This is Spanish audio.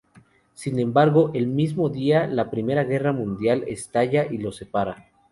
Sin embargo, el mismo día la Primera Guerra Mundial estalla, y los separa.